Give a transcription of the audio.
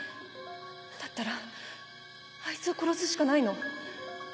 だったらアイツを殺すしかないの。